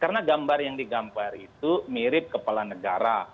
karena gambar yang digambar itu mirip kepala negara